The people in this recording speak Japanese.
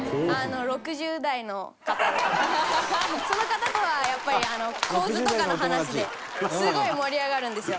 その方とはやっぱり構図とかの話ですごい盛り上がるんですよ。